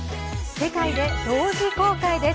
世界で同時公開です。